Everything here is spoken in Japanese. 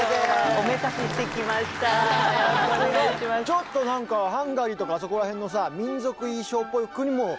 ちょっとなんかハンガリーとかあそこら辺のさ民族衣装っぽくにも見える。